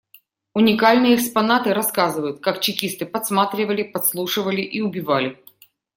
Уникальные экспонаты рассказывают, как чекисты подсматривали, подслушивали и убивали.